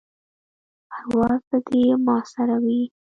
پرواز به دې ما سره وي.